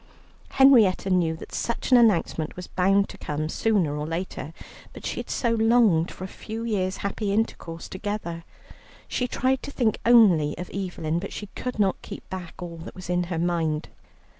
Henrietta knew that such an announcement was bound to come sooner or later, but she had so longed for a few years' happy intercourse together. She tried to think only of Evelyn, but she could not keep back all that was in her mind.